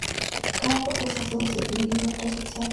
Cada parte está a su vez subdividida en tres secciones.